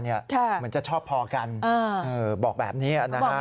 เหมือนจะชอบพอกันบอกแบบนี้นะฮะ